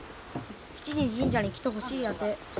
７時に神社に来てほしいやて。